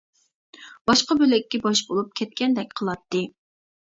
باشقا بۆلەككە باش بولۇپ كەتكەندەك قىلاتتى.